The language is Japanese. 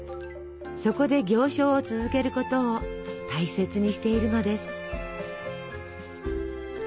そこで行商を続けることを大切にしているのです。